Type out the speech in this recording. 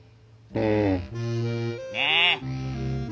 うん。